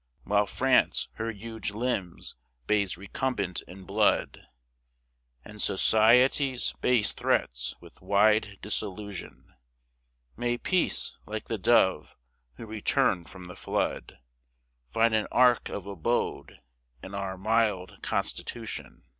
While France her huge limbs bathes recumbent in blood, And society's base threats with wide dissolution; May peace, like the dove who return'd from the flood, Find an ark of abode in our mild constitution.